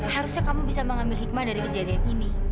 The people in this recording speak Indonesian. harusnya kamu bisa mengambil hikmah dari kejadian ini